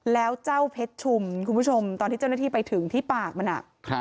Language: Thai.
แล้วเจ้าเพชรชุมคุณผู้ชมตอนที่เจ้าหน้าที่ไปถึงที่ปากมัน